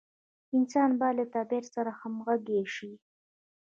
انسان باید له طبیعت سره همغږي شي.